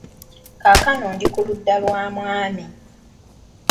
Kaakano ndi ku ludda lwa mwami.